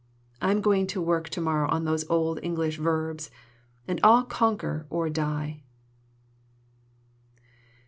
I'm going to work to morrow at those old English verbs, and I'll conquer or die."